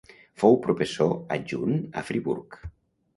Fou professor adjunt a Friburg.